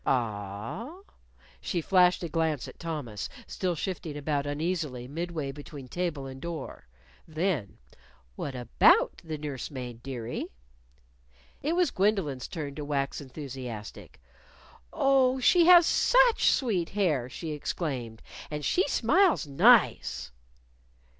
"Ah?" She flashed a glance at Thomas, still shifting about uneasily mid way between table and door. Then, "What about the nurse maid, dearie?" It was Gwendolyn's turn to wax enthusiastic. "Oh, she has such sweet hair!" she exclaimed. "And she smiles nice!"